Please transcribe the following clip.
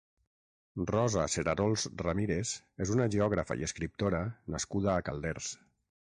Rosa Cerarols Ramírez és una geògrafa i escriptora nascuda a Calders.